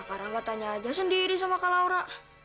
nah karangga tanya aja sendiri sama kak laura